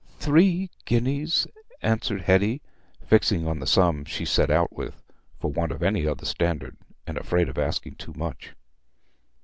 "Three guineas," answered Hetty, fixing on the sum she set out with, for want of any other standard, and afraid of asking too much.